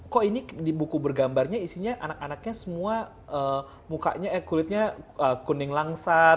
kok ini di buku bergambarnya isinya anak anaknya semua mukanya eh kulitnya kuning langsat